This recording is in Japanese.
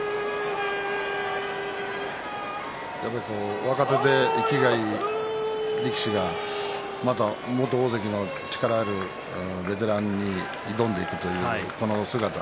やっぱり若手で生きがいい力士が元大関の力のあるベテランに挑んでいくというところこの姿。